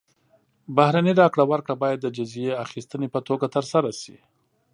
بهرنۍ راکړه ورکړه باید د جزیې اخیستنې په توګه ترسره شي.